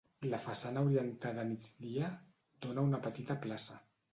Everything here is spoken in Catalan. La façana orientada a migdia, dóna una petita plaça.